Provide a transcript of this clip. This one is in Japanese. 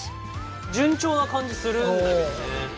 順調な感じするんだけどね。